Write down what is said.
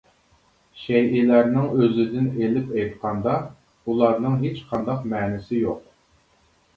شەيئىلەرنىڭ ئۆزىدىن ئېلىپ ئېيتقاندا ئۇلارنىڭ ھېچقانداق مەنىسى يوق.